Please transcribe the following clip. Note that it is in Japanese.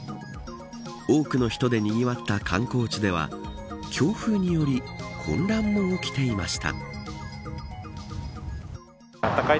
多くの人でにぎわった観光地では強風により混乱も起きていました。